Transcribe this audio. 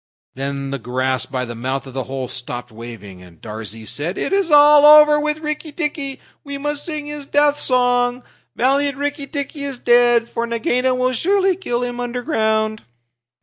Then the grass by the mouth of the hole stopped waving, and Darzee said, "It is all over with Rikki tikki! We must sing his death song. Valiant Rikki tikki is dead! For Nagaina will surely kill him underground."